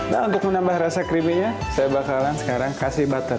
nah untuk menambah rasa creamy nya saya bakalan sekarang kasih butter